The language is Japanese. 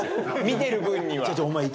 見てる分には。